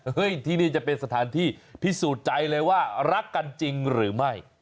ที่นี่จะเป็นสถานที่พิสูจน์ใจเลยว่ารักกันจริงหรือไม่